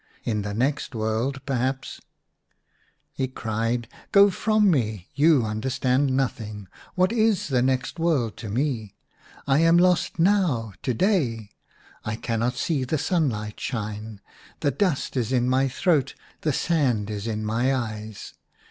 In the next world perhaps ' "He cried, ' Go from me, you under stand nothing ! What is the next world to me ! I am lost now, to day. I cannot see the sunlight shine, the dust is in my throat, the sand is in my eyes